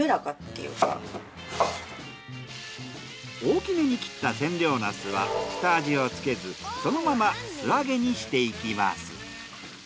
大きめに切った千両なすは下味をつけずそのまま素揚げにしていきます。